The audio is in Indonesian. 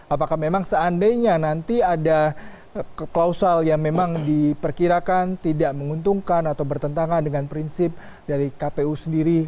apakah memang seandainya nanti ada klausal yang memang diperkirakan tidak menguntungkan atau bertentangan dengan prinsip dari kpu sendiri